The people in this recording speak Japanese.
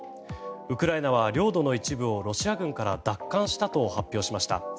ウクライナは領土の一部をロシア軍から奪還したと発表しました。